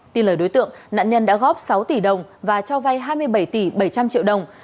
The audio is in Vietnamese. tin lời đối tượng nạn nhân đã góp sáu tỷ đồng và cho vay hai mươi bảy tỷ bảy trăm linh triệu đồng